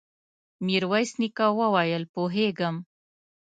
ميرويس نيکه وويل: پوهېږم.